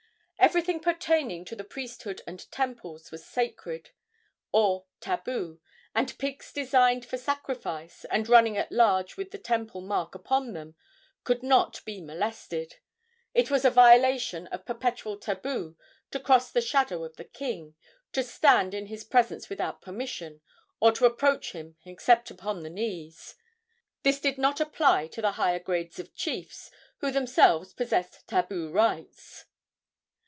Everything pertaining to the priesthood and temples was sacred, or tabu, and pigs designed for sacrifice, and running at large with the temple mark upon them, could not be molested. It was a violation of perpetual tabu to cross the shadow of the king, to stand in his presence without permission, or to approach him except upon the knees. This did not apply to the higher grades of chiefs, who themselves possessed tabu rights.